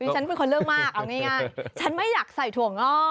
ฉันเป็นคนเลือกมากเอาง่ายฉันไม่อยากใส่ถั่วงอก